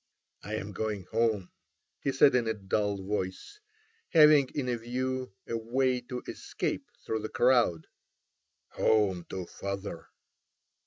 "I'm going home," he said in a dull voice, having in view a way of escape through the crowd, "home to Father."